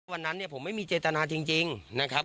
วันนั้นเนี่ยผมไม่มีเจตนาจริงนะครับ